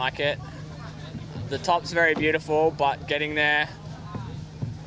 jadi saya pikir angus akan lebih menyenangkan di ijen